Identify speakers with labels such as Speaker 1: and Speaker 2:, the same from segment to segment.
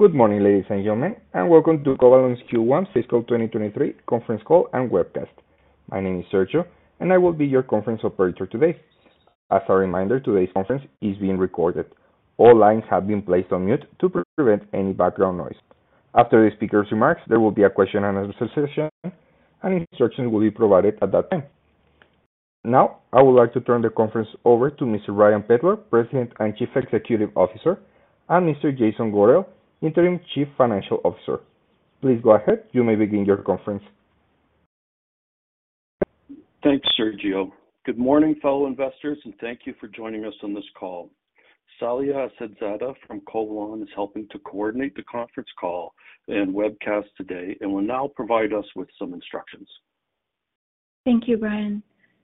Speaker 1: Good morning, ladies and gentlemen, welcome to Covalon's Q1 fiscal 2023 conference call and webcast. My name is Sergio, I will be your conference operator today. As a reminder, today's conference is being recorded. All lines have been placed on mute to prevent any background noise. After the speaker's remarks, there will be a question and answer session, instructions will be provided at that time. I would like to turn the conference over to Mr. Brian Pedlar, President and Chief Executive Officer, and Mr. Jason Gorel, Interim Chief Financial Officer. Please go ahead. You may begin your conference.
Speaker 2: Thanks, Sergio. Good morning, fellow investors, and thank you for joining us on this call. Saleha Assadzada from Covalon is helping to coordinate the conference call and webcast today and will now provide us with some instructions.
Speaker 3: Thank you, Brian.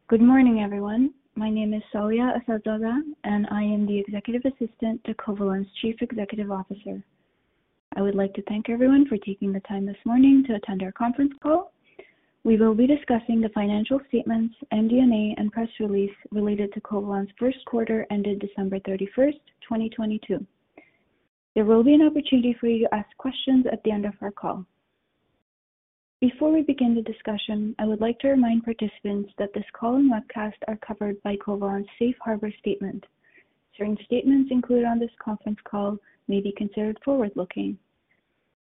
Speaker 3: Good morning, everyone. My name is Saleha Assadzada, and I am the Executive Assistant to Covalon's Chief Executive Officer. I would like to thank everyone for taking the time this morning to attend our conference call. We will be discussing the financial statements, MD&A, and press release related to Covalon's first quarter ended December 31st, 2022. There will be an opportunity for you to ask questions at the end of our call. Before we begin the discussion, I would like to remind participants that this call and webcast are covered by Covalon's Safe Harbor statement. Certain statements included on this conference call may be considered forward-looking.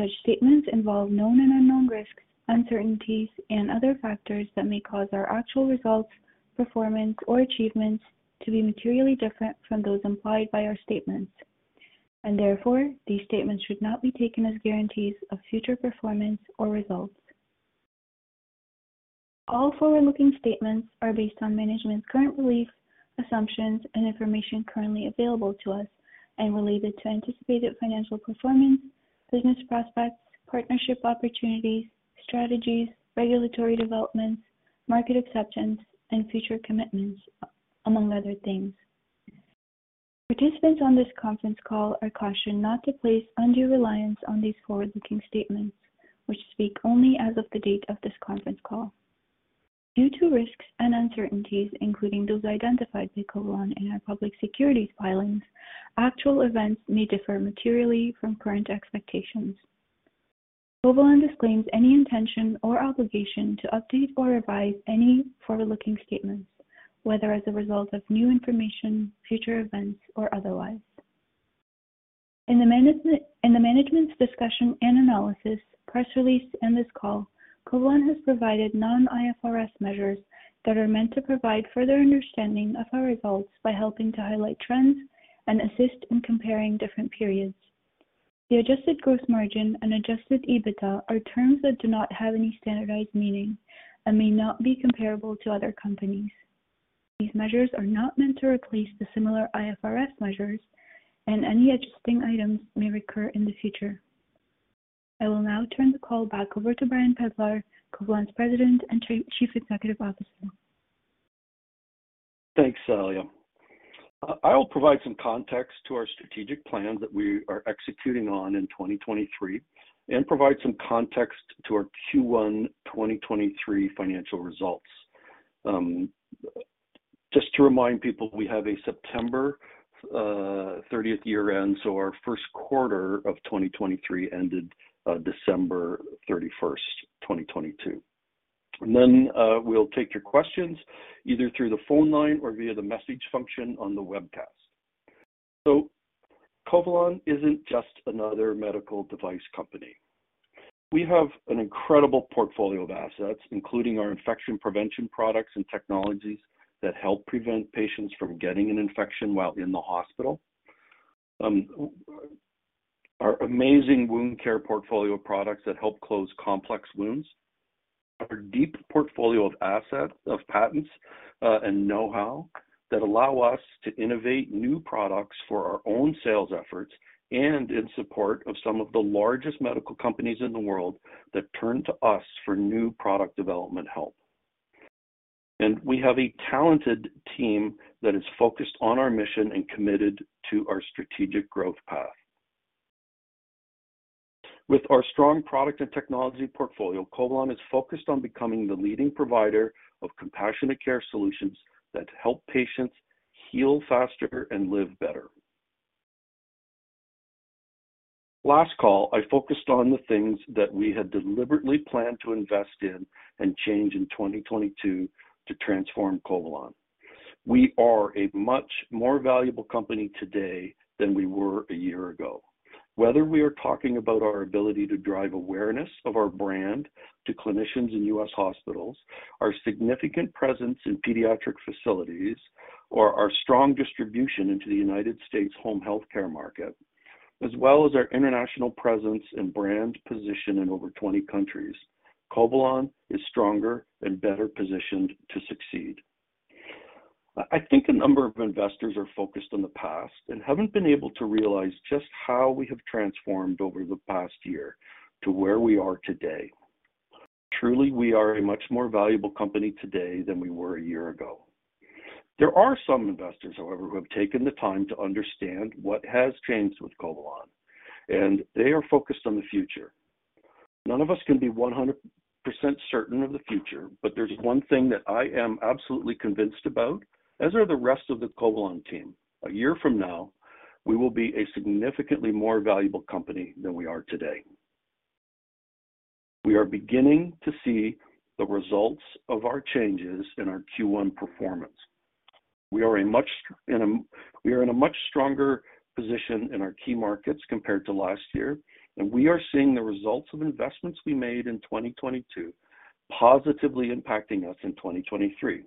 Speaker 3: Such statements involve known and unknown risks, uncertainties, and other factors that may cause our actual results, performance, or achievements to be materially different from those implied by our statements, and therefore, these statements should not be taken as guarantees of future performance or results. All forward-looking statements are based on management's current beliefs, assumptions, and information currently available to us and related to anticipated financial performance, business prospects, partnership opportunities, strategies, regulatory developments, market acceptance, and future commitments, among other things. Participants on this conference call are cautioned not to place undue reliance on these forward-looking statements, which speak only as of the date of this conference call. Due to risks and uncertainties, including those identified by Covalon in our public securities filings, actual events may differ materially from current expectations. Covalon disclaims any intention or obligation to update or revise any forward-looking statements, whether as a result of new information, future events, or otherwise. In the Management's Discussion and Analysis, press release, and this call, Covalon has provided non-IFRS measures that are meant to provide further understanding of our results by helping to highlight trends and assist in comparing different periods. The Adjusted Gross Margin and Adjusted EBITDA are terms that do not have any standardized meaning and may not be comparable to other companies. These measures are not meant to replace the similar IFRS measures, and any adjusting items may recur in the future. I will now turn the call back over to Brian Pedlar, Covalon's President and Chief Executive Officer.
Speaker 2: Thanks, Saleha. I will provide some context to our strategic plan that we are executing on in 2023 and provide some context to our Q1 2023 financial results. Just to remind people, we have a September 30th year-end, so our first quarter of 2023 ended December 31st, 2022. Then, we'll take your questions either through the phone line or via the message function on the webcast. Covalon isn't just another medical device company. We have an incredible portfolio of assets, including our Infection Prevention products and technologies that help prevent patients from getting an infection while in the hospital. Our amazing wound care portfolio of products that help close complex wounds. Our deep portfolio of assets, of patents, and know-how that allow us to innovate new products for our own sales efforts and in support of some of the largest medical companies in the world that turn to us for new product development help. We have a talented team that is focused on our mission and committed to our strategic growth path. With our strong product and technology portfolio, Covalon is focused on becoming the leading provider of compassionate care solutions that help patients heal faster and live better. Last call, I focused on the things that we had deliberately planned to invest in and change in 2022 to transform Covalon. We are a much more valuable company today than we were a year ago. Whether we are talking about our ability to drive awareness of our brand to clinicians in U.S. hospitals, our significant presence in pediatric facilities, or our strong distribution into the United States Home Healthcare market, as well as our international presence and brand position in over 20 countries, Covalon is stronger and better positioned to succeed. I think a number of investors are focused on the past and haven't been able to realize just how we have transformed over the past year to where we are today. Truly, we are a much more valuable company today than we were a year ago. There are some investors, however, who have taken the time to understand what has changed with Covalon. They are focused on the future. None of us can be 100% certain of the future, there's one thing that I am absolutely convinced about, as are the rest of the Covalon team. A year from now, we will be a significantly more valuable company than we are today. We are beginning to see the results of our changes in our Q1 performance. We are in a much stronger position in our key markets compared to last year. We are seeing the results of investments we made in 2022 positively impacting us in 2023.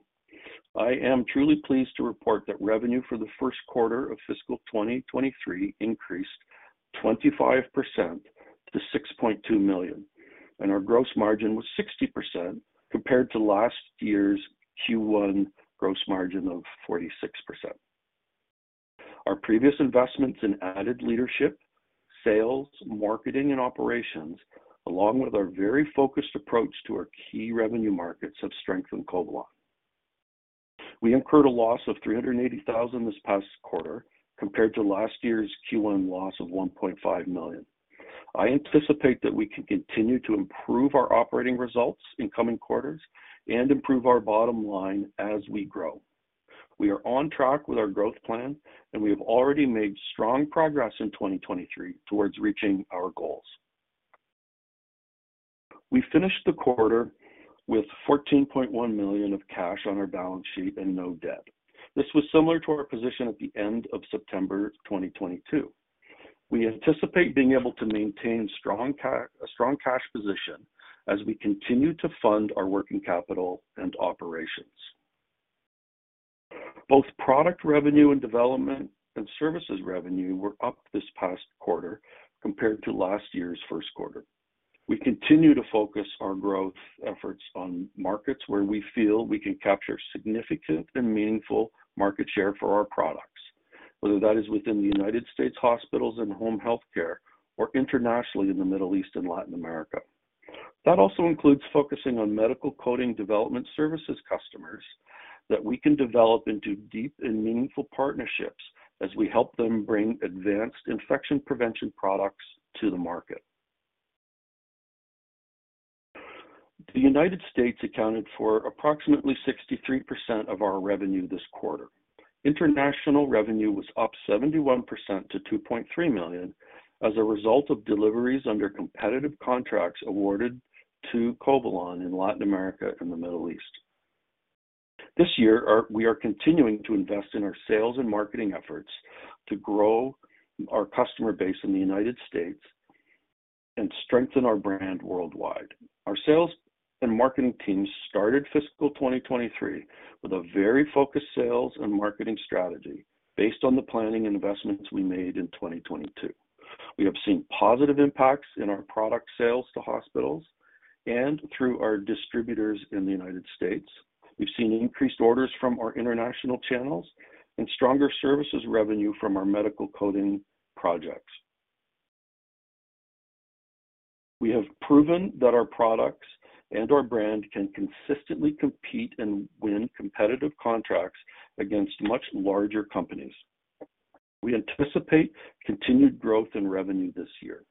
Speaker 2: I am truly pleased to report that revenue for the first quarter of fiscal 2023 increased 25% to $6.2 million, and our gross margin was 60% compared to last year's Q1 gross margin of 46%. Our previous investments in added leadership, sales, marketing, and operations, along with our very focused approach to our key revenue markets, have strengthened Covalon. We incurred a loss of $380,000 this past quarter compared to last year's Q1 loss of $1.5 million. I anticipate that we can continue to improve our operating results in coming quarters and improve our bottom line as we grow. We are on track with our growth plan, and we have already made strong progress in 2023 towards reaching our goals. We finished the quarter with 14.1 million of cash on our balance sheet and no debt. This was similar to our position at the end of September 2022. We anticipate being able to maintain a strong cash position as we continue to fund our working capital and operations. Both product revenue and development and services revenue were up this past quarter compared to last year's first quarter. We continue to focus our growth efforts on markets where we feel we can capture significant and meaningful market share for our products, whether that is within the United States hospitals and home health care or internationally in the Middle East and Latin America. That also includes focusing on medical coding development services customers that we can develop into deep and meaningful partnerships as we help them bring advanced Infection Prevention products to the market. The United States accounted for approximately 63% of our revenue this quarter. International revenue was up 71% to 2.3 million as a result of deliveries under competitive contracts awarded to Covalon in Latin America and the Middle East. This year, we are continuing to invest in our sales and marketing efforts to grow our customer base in the United States and strengthen our brand worldwide. Our sales and marketing teams started fiscal 2023 with a very focused sales and marketing strategy based on the planning and investments we made in 2022. We have seen positive impacts in our product sales to hospitals and through our distributors in the United States. We've seen increased orders from our international channels and stronger services revenue from our medical coding projects. We have proven that our products and our brand can consistently compete and win competitive contracts against much larger companies. We anticipate continued growth in revenue this year.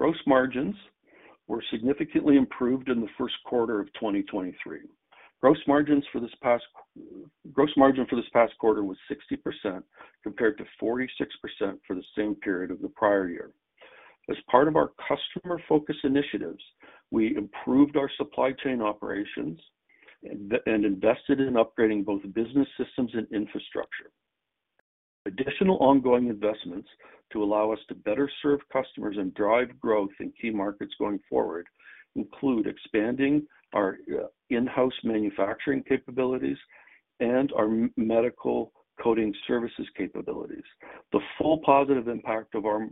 Speaker 2: Gross margins were significantly improved in the first quarter of 2023. Gross margin for this past quarter was 60%, compared to 46% for the same period of the prior year. As part of our customer focus initiatives, we improved our supply chain operations and invested in upgrading both business systems and infrastructure. Additional ongoing investments to allow us to better serve customers and drive growth in key markets going forward include expanding our in-house manufacturing capabilities and our medical coding services capabilities. The full positive impact on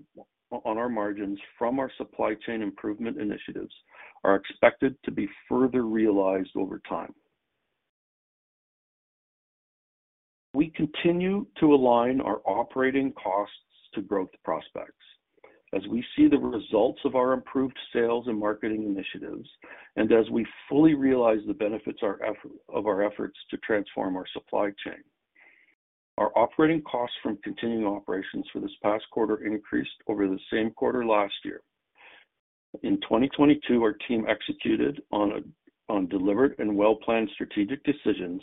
Speaker 2: our margins from our supply chain improvement initiatives are expected to be further realized over time. We continue to align our operating costs to growth prospects as we see the results of our improved sales and marketing initiatives and as we fully realize the benefits of our efforts to transform our supply chain. Our operating costs from continuing operations for this past quarter increased over the same quarter last year. In 2022, our team executed on deliberate and well-planned strategic decisions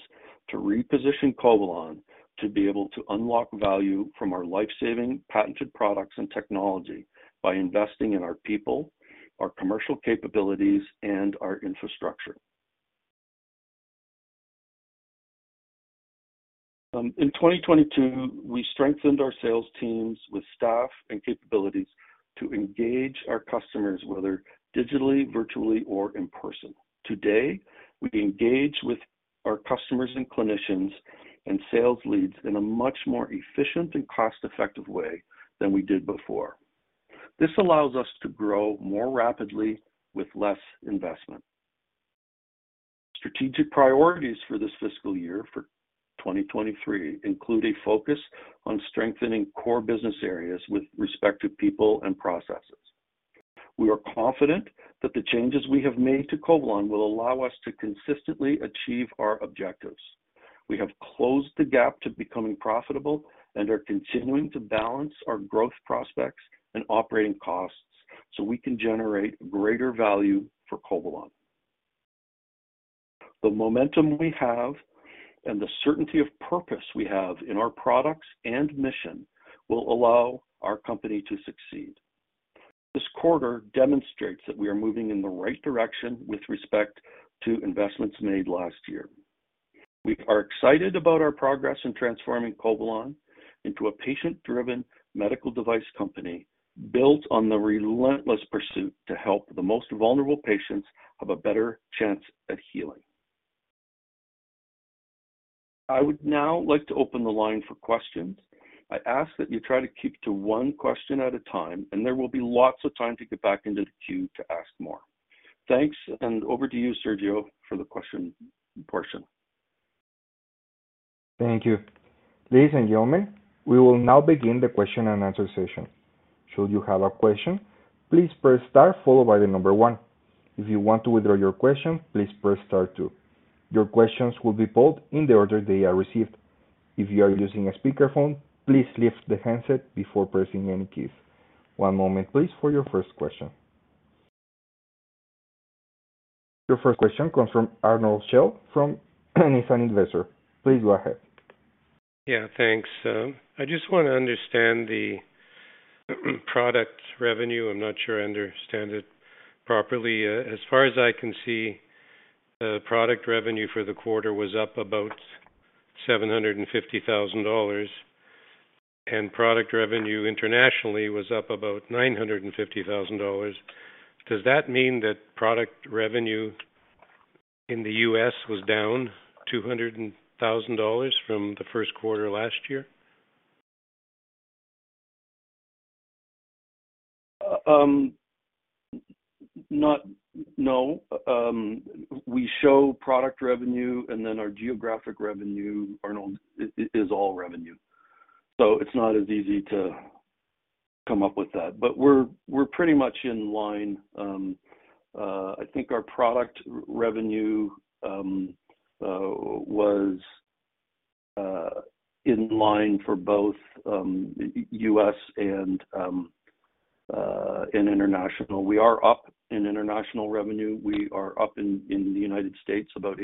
Speaker 2: to reposition Covalon to be able to unlock value from our life-saving patented products and technology by investing in our people, our commercial capabilities, and our infrastructure. In 2022, we strengthened our sales teams with staff and capabilities to engage our customers, whether digitally, virtually, or in person. Today, we engage with our customers and clinicians and sales leads in a much more efficient and cost-effective way than we did before. This allows us to grow more rapidly with less investment. Strategic priorities for this fiscal year for 2023 include a focus on strengthening core business areas with respect to people and processes. We are confident that the changes we have made to Covalon will allow us to consistently achieve our objectives. We have closed the gap to becoming profitable and are continuing to balance our growth prospects and operating costs so we can generate greater value for Covalon. The momentum we have and the certainty of purpose we have in our products and mission will allow our company to succeed. This quarter demonstrates that we are moving in the right direction with respect to investments made last year. We are excited about our progress in transforming Covalon into a patient-driven medical device company built on the relentless pursuit to help the most vulnerable patients have a better chance at healing. I would now like to open the line for questions. I ask that you try to keep to one question at a time, and there will be lots of time to get back into the queue to ask more. Thanks. Over to you, Sergio, for the question portion.
Speaker 1: Thank you. Ladies and gentlemen, we will now begin the question and answer session. Should you have a question, please press star followed by the number one. If you want to withdraw your question, please press star two. Your questions will be pulled in the order they are received. If you are using a speakerphone, please lift the handset before pressing any keys. One moment please for your first question. Your first question comes from Arnold Shell from Nissan Investor. Please go ahead.
Speaker 4: Yeah, thanks. I just want to understand the product revenue. I'm not sure I understand it properly. As far as I can see, the product revenue for the quarter was up about $750,000. Product revenue internationally was up about $950,000. Does that mean that product revenue in the U.S. was down $200,000 from the first quarter last year?
Speaker 2: No. We show product revenue and then our geographic revenue, Arnold, is all revenue. It's not as easy to come up with that. We're pretty much in line. I think our product revenue was in line for both U.S. and international. We are up in international revenue. We are up in the United States about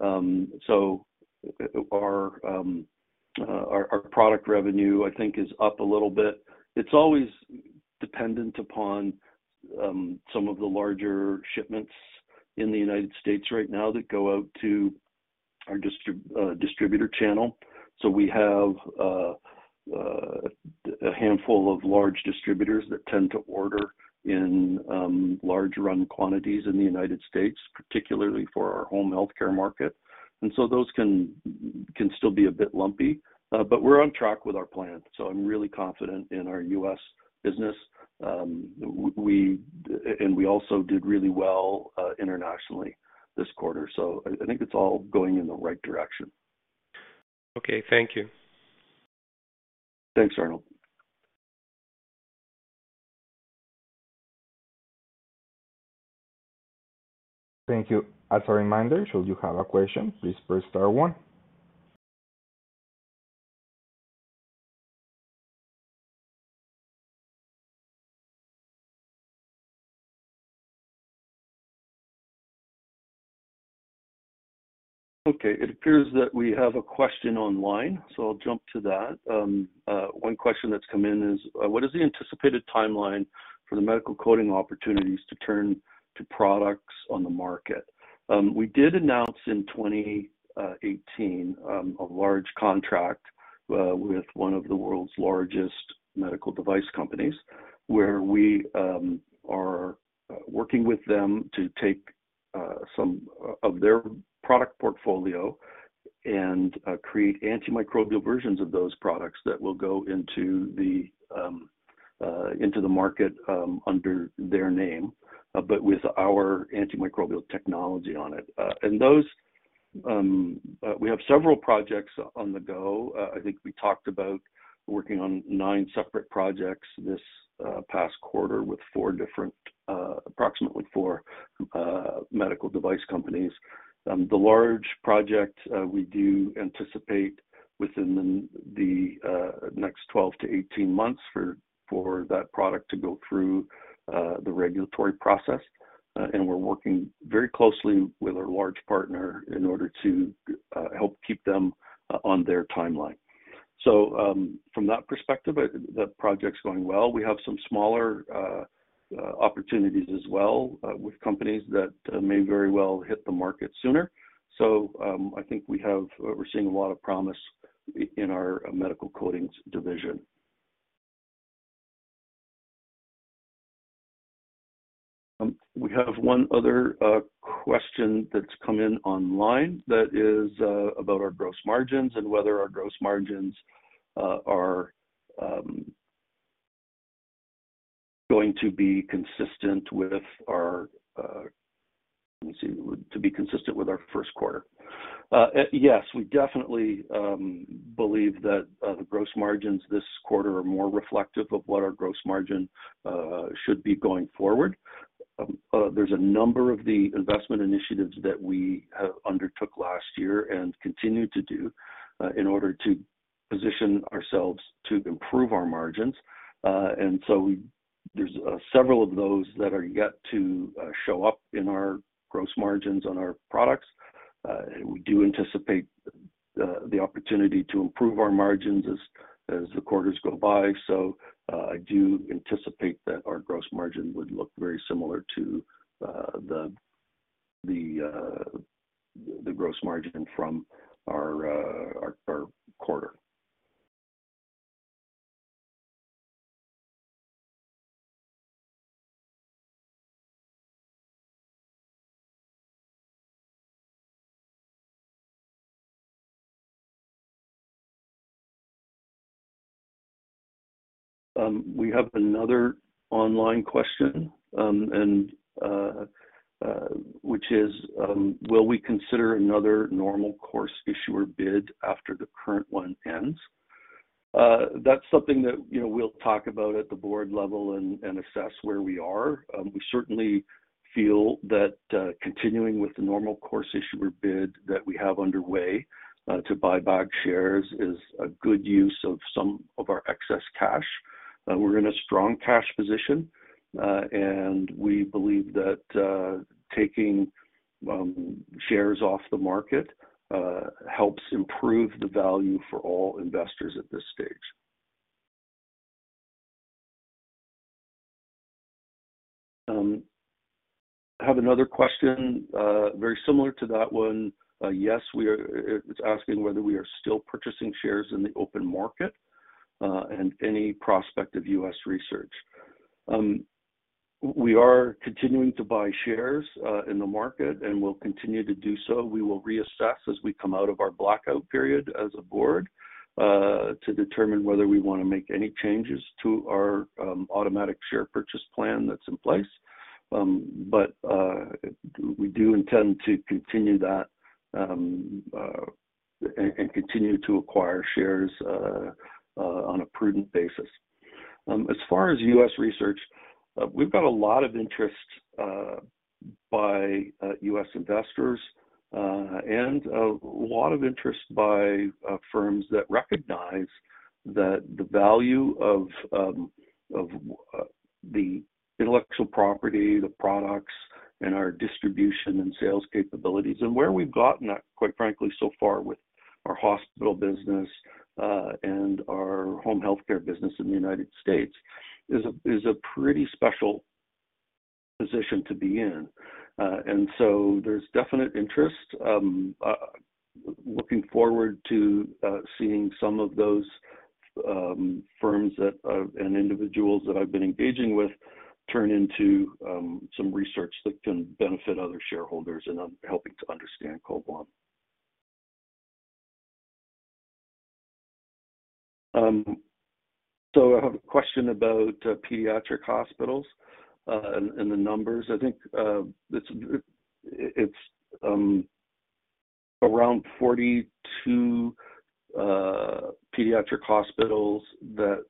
Speaker 2: 8%. Our product revenue, I think is up a little bit. It's always dependent upon some of the larger shipments in the United States right now that go out to our distributor channel. We have a handful of large distributors that tend to order in large run quantities in the United States, particularly for our Home Healthcare market. Those can still be a bit lumpy. We're on track with our plan. I'm really confident in our U.S. business. We also did really well internationally this quarter. I think it's all going in the right direction.
Speaker 4: Okay. Thank you.
Speaker 2: Thanks, Arnold.
Speaker 1: Thank you. As a reminder, should you have a question, please press star one.
Speaker 2: It appears that we have a question online, so I'll jump to that. One question that's come in is, what is the anticipated timeline for the medical coding opportunities to turn to products on the market? We did announce in 2018 a large contract with one of the world's largest medical device companies, where we are working with them to take some of their product portfolio and create antimicrobial versions of those products that will go into the market under their name, but with our antimicrobial technology on it. Those, we have several projects on the go. I think we talked about working on nine separate projects this past quarter with four different, approximately four, medical device companies. The large project, we do anticipate within the next 12 to 18 months for that product to go through the regulatory process. We're working very closely with our large partner in order to help keep them on their timeline. From that perspective, the project's going well. We have some smaller opportunities as well with companies that may very well hit the market sooner. I think we're seeing a lot of promise in our medical device coatings. We have one other question that's come in online that is about our gross margins and whether our gross margins are going to be consistent with our first quarter. Yes, we definitely believe that the gross margins this quarter are more reflective of what our gross margin should be going forward. There's a number of the investment initiatives that we undertook last year and continue to do in order to position ourselves to improve our margins. There's several of those that are yet to show up in our gross margins on our products. We do anticipate the opportunity to improve our margins as the quarters go by. I do anticipate that our gross margin would look very similar to the gross margin from our quarter. We have another online question, which is, will we consider another Normal Course Issuer Bid after the current one ends? That's something that, you know, we'll talk about at the board level and assess where we are. We certainly feel that, continuing with the Normal Course Issuer Bid that we have underway, to buy back shares is a good use of some of our excess cash. We're in a strong cash position, and we believe that, taking shares off the market, helps improve the value for all investors at this stage. I have another question, very similar to that one. Yes, we are. It's asking whether we are still purchasing shares in the open market, and any prospect of U.S. research. We are continuing to buy shares in the market, and we'll continue to do so. We will reassess as we come out of our blackout period as a board to determine whether we wanna make any changes to our Automatic Share Purchase Plan that's in place. We do intend to continue that and continue to acquire shares on a prudent basis. As far as U.S. research, we've got a lot of interest by U.S. investors and a lot of interest by firms that recognize that the value of the intellectual property, the products, and our distribution and sales capabilities, and where we've gotten quite frankly so far with our hospital business and our home healthcare business in the United States, is a pretty special position to be in. There's definite interest. Looking forward to seeing some of those firms that and individuals that I've been engaging with turn into some research that can benefit other shareholders in helping to understand Covalon. I have a question about pediatric hospitals and the numbers. I think it's around 42 pediatric hospitals that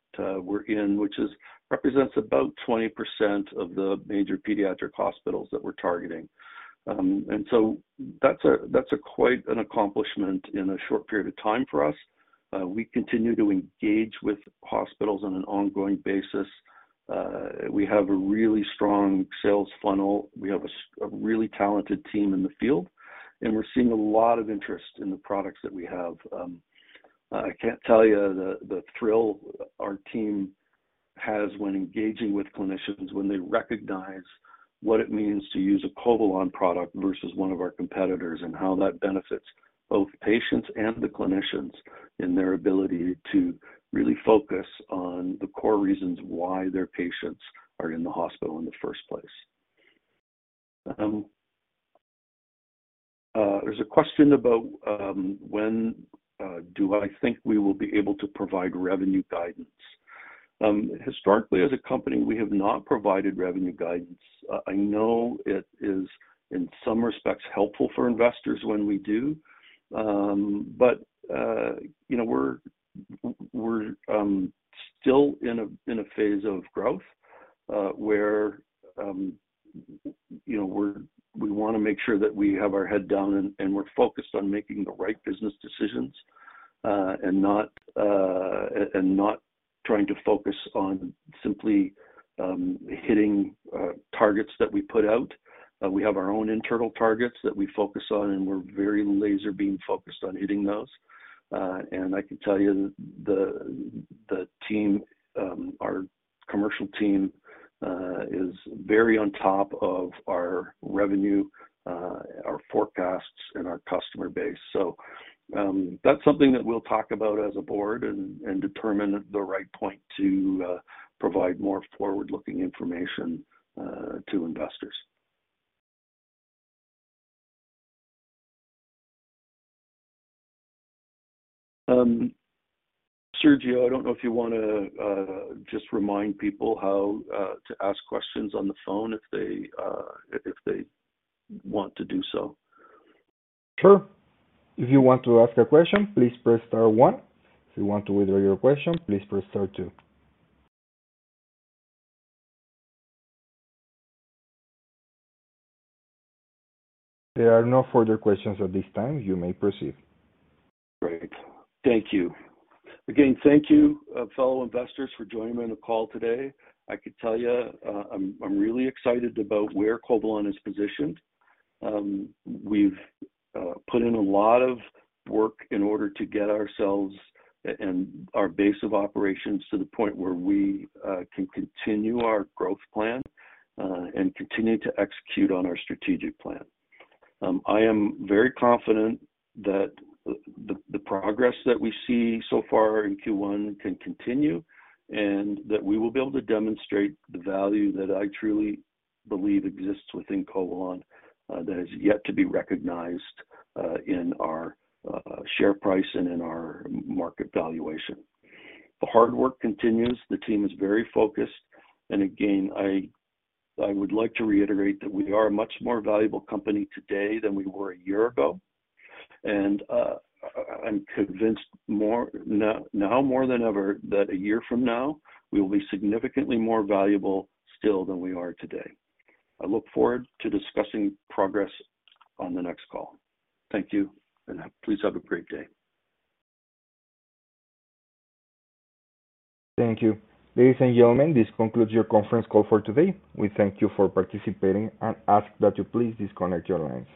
Speaker 2: we're in, which represents about 20% of the major pediatric hospitals that we're targeting. That's quite an accomplishment in a short period of time for us. We continue to engage with hospitals on an ongoing basis. We have a really strong sales funnel. We have a really talented team in the field, and we're seeing a lot of interest in the products that we have. I can't tell you the thrill our team has when engaging with clinicians when they recognize what it means to use a Covalon product versus one of our competitors, and how that benefits both patients and the clinicians in their ability to really focus on the core reasons why their patients are in the hospital in the first place. There's a question about when do I think we will be able to provide revenue guidance? Historically as a company, we have not provided revenue guidance. I know it is in some respects helpful for investors when we do, but, you know, we're still in a phase of growth, where, you know, we wanna make sure that we have our head down and we're focused on making the right business decisions, and not trying to focus on simply hitting targets that we put out. We have our own internal targets that we focus on, and we're very laser beam focused on hitting those. I can tell you the team, our commercial team, is very on top of our revenue, our forecasts and our customer base. That's something that we'll talk about as a board and determine the right point to provide more forward-looking information to investors. Sergio, I don't know if you wanna just remind people how to ask questions on the phone if they want to do so.
Speaker 1: Sure. If you want to ask a question, please press star one. If you want to withdraw your question, please press star two. There are no further questions at this time. You may proceed.
Speaker 2: Great. Thank you. Again, thank you, fellow investors, for joining me on the call today. I could tell you, I'm really excited about where Covalon is positioned. We've put in a lot of work in order to get ourselves and our base of operations to the point where we can continue our growth plan and continue to execute on our strategic plan. I am very confident that the progress that we see so far in Q1 can continue, and that we will be able to demonstrate the value that I truly believe exists within Covalon that is yet to be recognized in our share price and in our market valuation. The hard work continues. The team is very focused. Again, I would like to reiterate that we are a much more valuable company today than we were a year ago. I'm convinced now more than ever, that a year from now we will be significantly more valuable still than we are today. I look forward to discussing progress on the next call. Thank you, please have a great day.
Speaker 1: Thank you. Ladies and gentlemen, this concludes your conference call for today. We thank you for participating and ask that you please disconnect your lines.